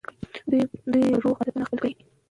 دوی به روغ عادتونه خپل کړي.